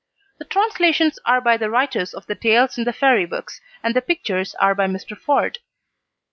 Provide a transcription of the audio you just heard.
The translations are by the writers of the tales in the Fairy Books, and the pictures are by Mr. Ford.